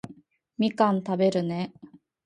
みかん食べるね